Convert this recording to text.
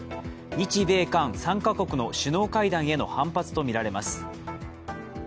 日米韓３か国の首脳会談への反発とみられます。